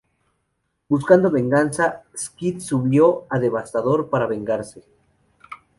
Buscando venganza, Skids subió a Devastator para vengarse.